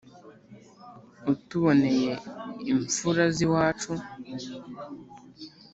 utuboneye imfura z'iwacu